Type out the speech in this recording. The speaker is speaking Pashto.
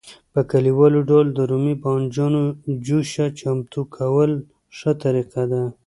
په کلیوالي ډول د رومي بانجانو جوشه چمتو کول ښه طریقه ده.